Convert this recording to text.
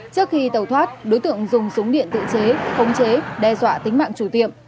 trước khi tàu thoát đối tượng dùng súng điện tự chế không chế đe dọa tính mạng chủ tiệm